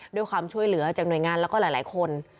ด้วยความช่วยเหลือจากหน่วยงานแล้วก็หลายคน